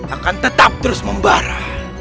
akan tetap terus membara